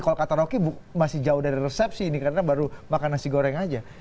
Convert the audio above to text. kalau kata rocky masih jauh dari resepsi ini karena baru makan nasi goreng aja